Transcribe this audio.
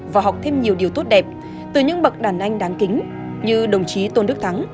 và học thêm nhiều điều tốt đẹp từ những bậc đàn anh đáng kính như đồng chí tôn đức thắng